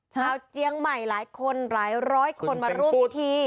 เจียงใหม่หลายคนหลายร้อยคนมาร่วมพิธี